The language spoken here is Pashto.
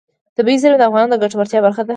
طبیعي زیرمې د افغانانو د ګټورتیا برخه ده.